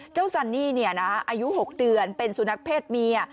เจ้าสันนี่เนี่ยนะอายุ๖เดือนเป็นสุนัขเพศเมีย